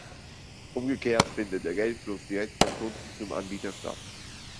Umgekehrt findet der Geldfluss direkt vom Kunden zum Anbieter statt.